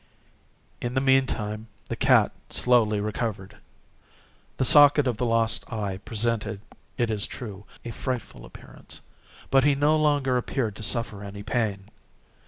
In the meantime the cat slowly recovered. The socket of the lost eye presented, it is true, a frightful appearance, but he no longer appeared to suffer any pain.